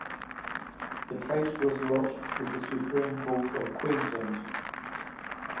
The case was lodged with the Supreme Court of Queensland.